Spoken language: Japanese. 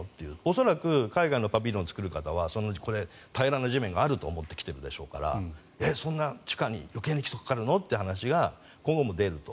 恐らく海外のパビリオンを作る方は平らな地面があると思ってきているでしょうからそんな地下に余計に基礎がかかるのっていう話が今後も出ると。